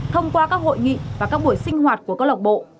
thông qua các hội nghị và các buổi sinh hoạt của công lộc bộ